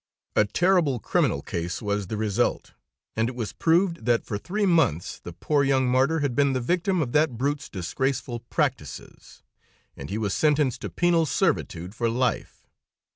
A terrible criminal case was the result, and it was proved that for three months the poor young martyr had been the victim of that brute's disgraceful practices, and he was sentenced to penal servitude for life.